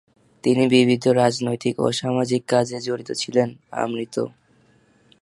তিনি বিবিধ রাজনৈতিক ও সামাজিক কাজে জড়িত ছিলেন আমৃত্যু।